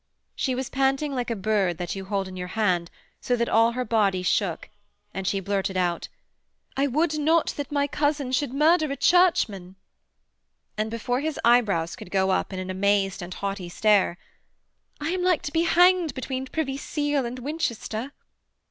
She was panting like a bird that you hold in your hand, so that all her body shook, and she blurted out: 'I would not that my cousin should murder a Churchman!' and before his eyebrows could go up in an amazed and haughty stare: 'I am like to be hanged between Privy Seal and Winchester.'